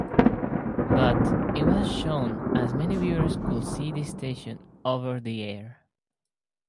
But, it was shown as many viewers could see the station over the air.